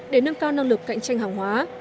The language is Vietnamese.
để nâng cao năng lực cạnh tranh hóa